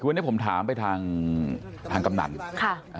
พตรพูดถึงเรื่องนี้ยังไงลองฟังกันหน่อยค่ะ